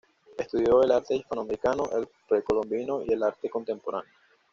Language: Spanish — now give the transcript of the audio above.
Estudió el arte hispanoamericano, el precolombino y el arte contemporáneo.